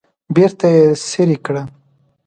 بیرته یې څیرې کړه.